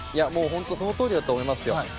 本当にそのとおりだと思います。